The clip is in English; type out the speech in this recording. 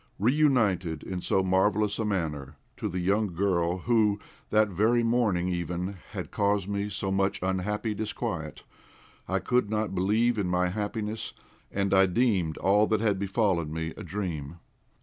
Reunited in so marvellous a manner to the young girl who, that very morning even, had caused me so much unhappy disquiet, I could not believe in my happiness, and I deemed all that had befallen me a dream.